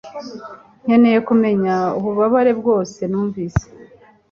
Nkeneye kumenya ububabare bwose numvise